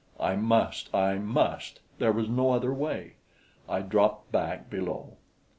I must! I must! There was no other way. I dropped back below.